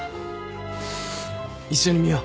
一緒に見よう